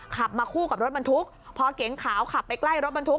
ขับมาคู่กับรถบรรทุกพอเก๋งขาวขับไปใกล้รถบรรทุก